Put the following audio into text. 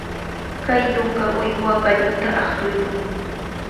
Kay yunka uywa qallunta aqtuykan.